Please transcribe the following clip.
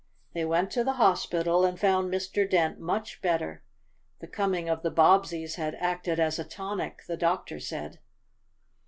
They went to the hospital, and found Mr. Dent much better. The coming of the Bobbseys had acted as a tonic, the doctor said.